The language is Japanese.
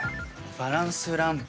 「バランスランプ」